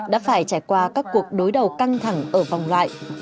đã phải trải qua các cuộc đối đầu căng thẳng ở vòng loại